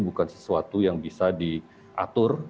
bukan sesuatu yang bisa diatur